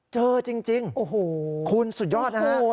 เจอจริงจริงโอ้โหคุณสุดยอดนะฮะโอ้โห